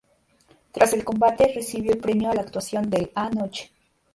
Tras el combate, recibió el premio a la "Actuación del a Noche".